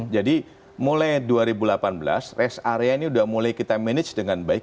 jadi mulai dua ribu delapan belas rest area ini sudah mulai kita manage dengan baik